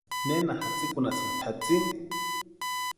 ¿Nena jasikunhasïnki tʼatsïni?